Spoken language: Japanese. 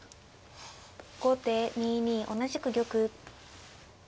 後手２二同じく玉。